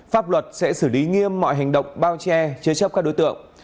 pháp luật sẽ xử lý nghiêm mọi hành động bao che chế chấp các đối tượng